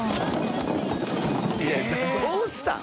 いやぁどうしたん？